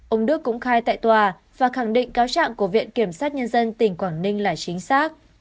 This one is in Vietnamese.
ông đức cũng khai tại tòa và khẳng định cáo trạng của viện kiểm sát nhân dân tỉnh quảng ninh là chính xác